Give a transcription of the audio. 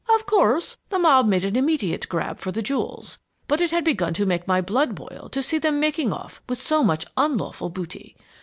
"Of course, the mob made an immediate grab for the jewels, but it had begun to make my blood boil to see them making off with so much unlawful booty.